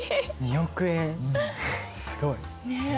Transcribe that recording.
２億円すごい！ね。